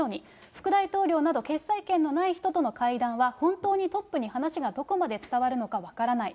副大統領など決裁権のない人との会談は本当にトップに話がどこまで伝わるのか分からない。